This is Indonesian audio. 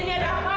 ini ada apa